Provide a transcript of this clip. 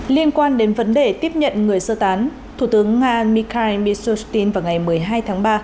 liên quan đến vấn đề tiếp nhận người sơ tán thủ tướng nga mikhail mishustin vào ngày một mươi hai tháng ba